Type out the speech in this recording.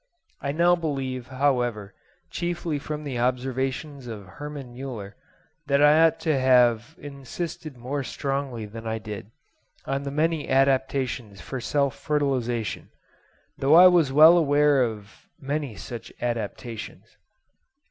I now believe, however, chiefly from the observations of Hermann Muller, that I ought to have insisted more strongly than I did on the many adaptations for self fertilisation; though I was well aware of many such adaptations.